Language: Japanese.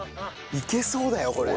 いけそうだよこれ。